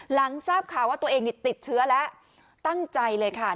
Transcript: หลังทราบข่าวว่าตัวเองติดเชื้อแล้วตั้งใจเลยค่ะ